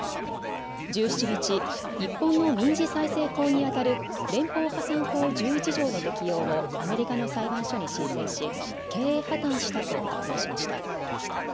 １７日、日本の民事再生法にあたる連邦破産法１１条の適用をアメリカの裁判所に申請し経営破綻したと発表しました。